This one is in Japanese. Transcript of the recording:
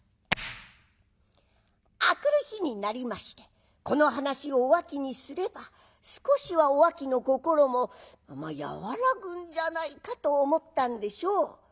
明くる日になりましてこの話をおあきにすれば少しはおあきの心も和らぐんじゃないかと思ったんでしょう。